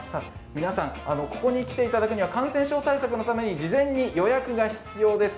皆さんここに来ていただくには感染症対策のために事前に予約が必要です。